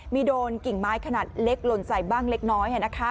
มีโดนกิ่งไม้ขนาดเล็กหล่นใส่บ้างเล็กน้อย